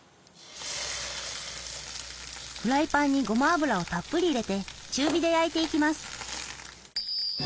フライパンにごま油をたっぷり入れて中火で焼いていきます。